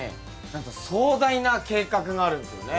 なんと壮大な計画があるんですよね。